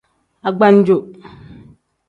Agbanjo.